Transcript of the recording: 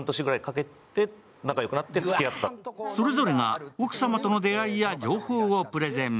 それぞれが奥様との出会いや情報をプレゼン。